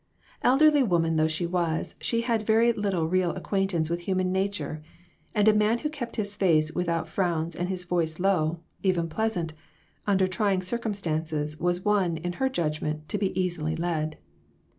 Elderly woman though she was, she had very little real acquaintance with human nature ; and a man who kept his face without frowns and his voice low ; even pleasant under trying circum stances, was one, in her judgment, to be easily led.